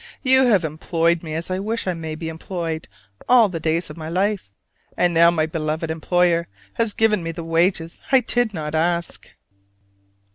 You have employed me as I wish I may be employed all the days of my life: and now my beloved employer has given me the wages I did not ask.